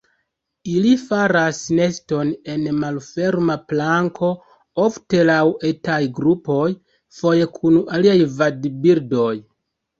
Ili faras neston en malferma planko, ofte laŭ etaj grupoj, foje kun aliaj vadbirdoj.